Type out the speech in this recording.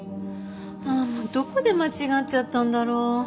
もうどこで間違っちゃったんだろう。